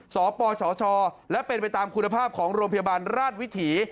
สปชและเป็นไปตามคุณภาพของโรงพยาบาลราชวิถี